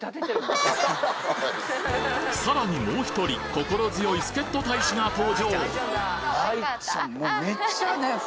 さらにもう１人心強い助っ人大使が登場愛ちゃん。